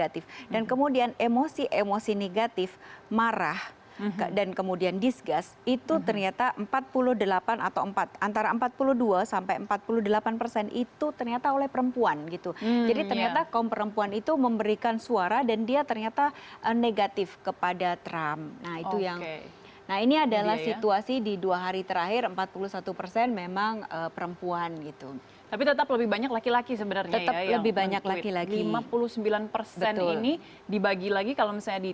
tetaplah bersama kami